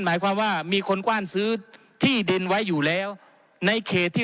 หมายความว่ามีคนกว้านซื้อที่ดินไว้อยู่แล้วในเขตที่